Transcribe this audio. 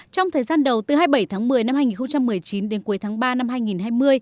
trong thời gian đầu từ hai mươi bảy tháng một mươi năm hai nghìn một mươi chín đến cuối tháng ba năm hai nghìn hai mươi